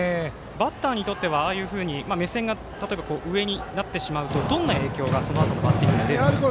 バッターにとってはああいうふうに目線が上になってしまうとどんな影響がそのあと出てしまうんですか。